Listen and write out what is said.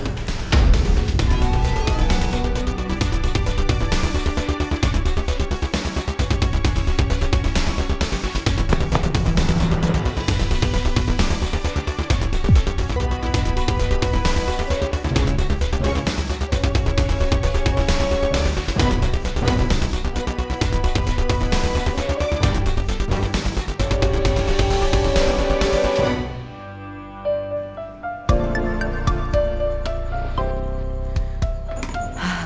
sampai ketemu besok